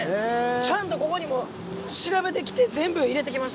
ちゃんとここにも調べてきて全部入れてきました。